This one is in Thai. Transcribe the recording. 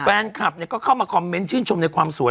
แฟนคลับก็เข้ามาคอมเมนต์ชื่นชมในความสวย